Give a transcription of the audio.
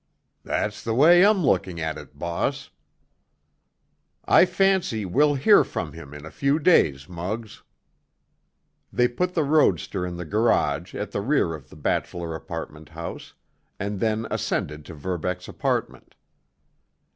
"That's the way I'm looking at it, boss." "I fancy we'll hear from him in a few days, Muggs." They put the roadster in the garage at the rear of the bachelor apartment house, and then ascended to Verbeck's apartment.